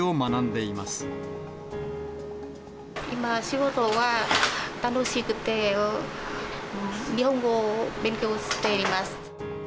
今、仕事は楽しくて、日本語を勉強しています。